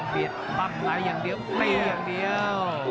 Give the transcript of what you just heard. เบียดปั๊มไว้อย่างเดียวเตะอย่างเดียว